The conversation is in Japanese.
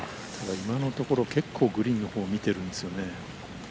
今のところ、結構グリーンのほう見てるんですよね。